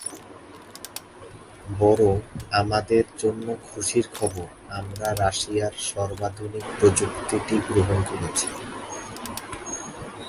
বরং আমাদের জন্য খুশির খবর আমরা রাশিয়ার সর্বাধুনিক প্রযুক্তিটি গ্রহণ করছি।